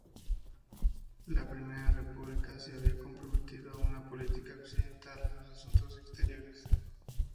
La Primera República se había comprometido a una política occidental en los asuntos exteriores.